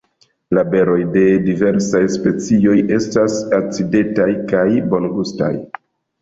La beroj de diversaj specioj estas acidetaj kaj bongustaj.